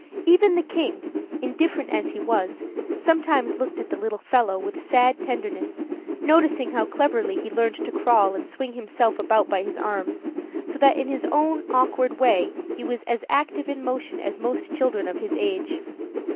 Even the King, indifferent as he was, sometimes looked at the little fellow with sad tenderness, noticing how cleverly he learned to crawl and swing himself about by his arms, so that in his own awkward way he was as active in motion as most children of his age.